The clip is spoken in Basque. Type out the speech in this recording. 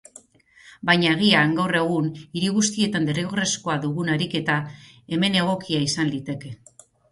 Baina agian gaur egun hiri guztietan derrigorrezkoa dugun ariketa hemen egokia izan liteke.